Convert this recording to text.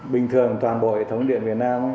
bình thường toàn bộ hệ thống điện việt nam